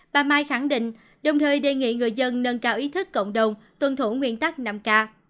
bà mai khẳng định đồng thời đề nghị người dân nâng cao ý thức cộng đồng tuân thủ nguyên tắc năm k